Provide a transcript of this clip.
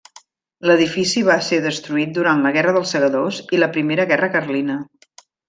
L’edifici va ser destruït durant la guerra dels segadors i la primera guerra carlina.